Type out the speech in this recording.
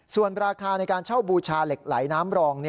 ส่วนราคาในการเช่าบูชาเหล็กไหลน้ำรอง